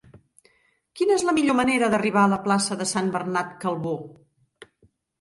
Quina és la millor manera d'arribar a la plaça de Sant Bernat Calbó?